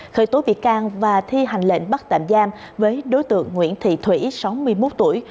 khởi tố bị can và thi hành lệnh bắt tạm giam với đối tượng nguyễn thị thủy sáu mươi một tuổi